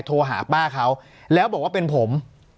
โทรหาป้าเขาแล้วบอกว่าเป็นผม